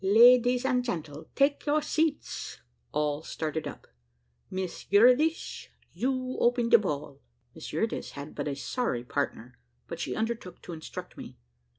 "Ladies and gentle, take your seats." All started up. "Miss Eurydice, you open de ball." Miss Eurydice had but a sorry partner, but she undertook to instruct me.